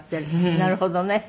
なるほどね。